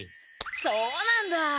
そうなんだ！